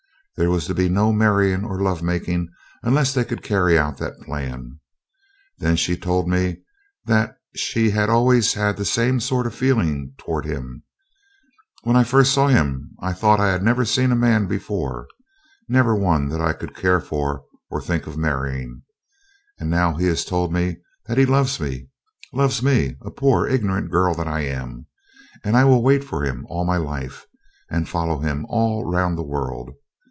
There was to be no marrying or love making unless they could carry out that plan. Then she told me that she had always had the same sort of feeling towards him. 'When I saw him first I thought I had never seen a man before never one that I could care for or think of marrying. And now he has told me that he loves me loves me, a poor ignorant girl that I am; and I will wait for him all my life, and follow him all round the world.